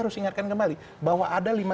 harus ingatkan kembali bahwa ada